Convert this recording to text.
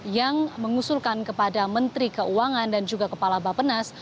yang mengusulkan kepada menteri keuangan dan juga kepala bapenas